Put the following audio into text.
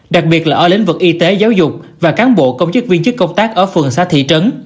đặc biệt là ở lĩnh vực y tế giáo dục và cán bộ công chức viên chức công tác ở phường xã thị trấn